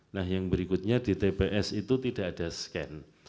nah yang berikutnya di tps itu tidak ada scan